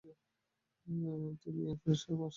তিনি F. A. Pass করেন।